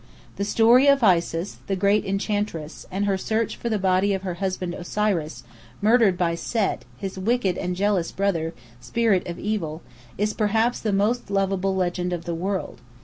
The story of Isis the Great Enchantress, and her search for the body of her husband Osiris, murdered by Set, his wicked and jealous brother, Spirit of Evil, is perhaps the most lovable legend of the world.